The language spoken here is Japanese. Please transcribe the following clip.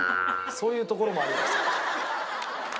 そういうところもありますから。